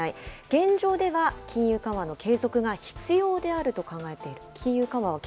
現状では金融緩和の継続が必要であると考えている。